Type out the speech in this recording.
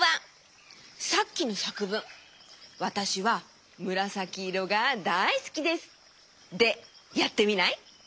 さっきのさくぶん「わたしはむらさきいろがだいすきです」でやってみない？